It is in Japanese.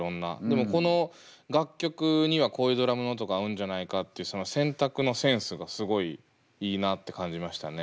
でもこの楽曲にはこういうドラムの音が合うんじゃないかっていうその選択のセンスがすごいいいなって感じましたね。